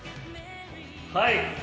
はい。